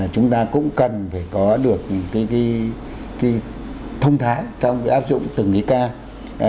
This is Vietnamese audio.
chúng ta cũng cần phải có được cái thông thái trong cái áp dụng từng cái ca